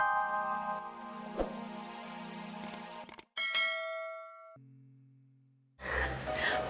aku mau ke rumah sakit pak